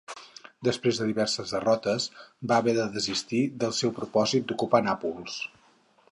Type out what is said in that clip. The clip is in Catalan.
Després de diverses derrotes va haver de desistir del seu propòsit d'ocupar Nàpols.